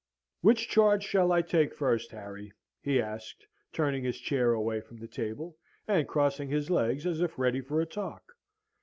"'Which charge shall I take first, Harry?' he asked, turning his chair away from the table, and crossing his legs as if ready for a talk.